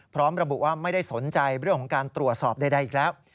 พร้อมระบุว่าไม่ได้สนใจเรื่องของการตรวจสอบใดอีกแล้ว